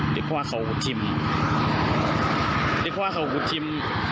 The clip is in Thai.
ไปข้าวเหนียวฮุทิมไปข้าวเก๋วยุฮุทิม